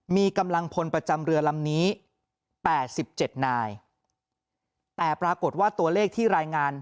มีกำลังพลประจำเรือลำนี้๘๗นายแต่ปรากฏว่าตัวเลขที่รายงาน